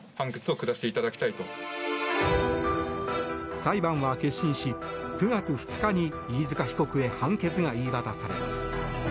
裁判は結審し９月２日に飯塚被告への判決が言い渡されます。